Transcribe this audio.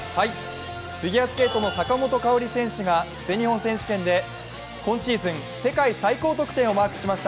フィギュアスケートの坂本花織選手が全日本選手権で今シーズン世界最高得点をマークしました。